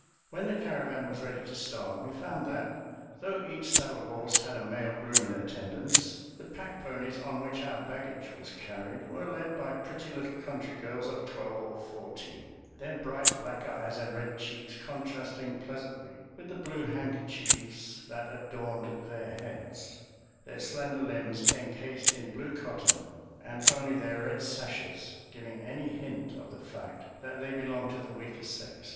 When the caravan was ready to start, we found that, though each saddle horse had a male groom in attendance, the pack ponies on which our baggage was carried were led by pretty little country girls of twelve or fourteen, their bright black eyes and red cheeks contrasting pleasantly with the blue handkerchiefs that adorned their heads; their slender limbs encased in blue cotton, and only their red sashes giving any hint of the fact that they belonged to the weaker sex.